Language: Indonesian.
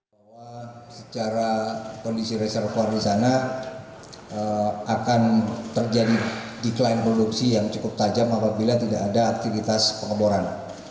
bahwa secara kondisi reservoir di sana akan terjadi deklim produksi yang cukup tajam apabila tidak ada aktivitas pengeboran